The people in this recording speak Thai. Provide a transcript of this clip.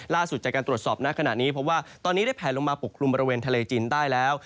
ล่าสุดจากการตรวจสอบณขณะนี้พบว่าตอนนี้ได้แผลลงมาปกคลุมบริเวณทะเลจีนใต้แล้ว